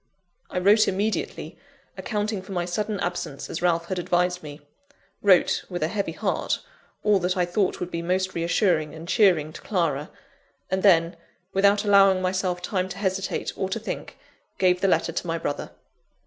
I wrote immediately, accounting for my sudden absence as Ralph had advised me wrote, with a heavy heart, all that I thought would be most reassuring and cheering to Clara; and then, without allowing myself time to hesitate or to think, gave the letter to my brother.